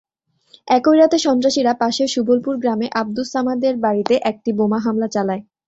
একই রাতে সন্ত্রাসীরা পাশের সুবলপুর গ্রামে আবদুস সামাদের বাড়িতে একটি বোমা হামলা চালায়।